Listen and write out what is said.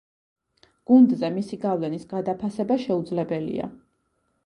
გუნდზე მისი გავლენის გადაფასება შეუძლებელია.